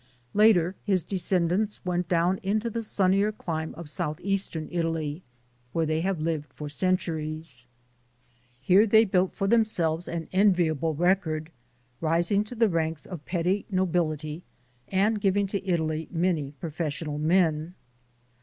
Later his descendants went down into the sunnier clime of southeastern Italy, where they have lived for cen A NATIVE OF ANCIENT APULIA 9 turies. Here they built for themselves an enviable record, rising to the ranks of petty nobility and giving to Italy many professional men.